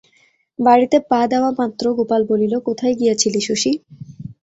বাড়িতে পা দেওয়ামাত্র গোপাল বলিল, কোথায় গিয়াছিলি শশী?